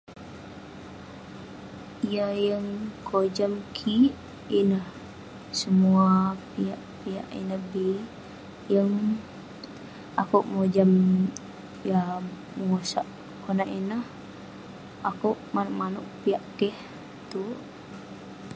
Yah yeng kojam kik ineh..semua piak piak ineh bi..yeng akouk mojam yah bengosak konak ineh..akouk manouk manouk piak keh tuerk..